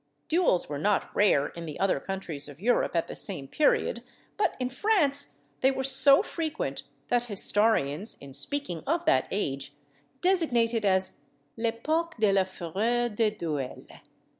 Duels were not rare in the other countries of Europe at the same period; but in France they were so frequent, that historians, in speaking of that age, designate it as "l'époque de la fureur des duels."